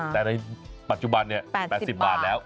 แต่ในปัจจุบัน๘๐บาทแล้ว